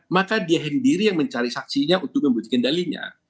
maka dia sendiri yang mencari saksinya untuk memberikan kendalinya